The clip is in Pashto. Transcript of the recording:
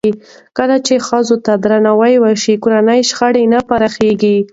کله چې ښځو ته درناوی وشي، کورني شخړې نه پراخېږي.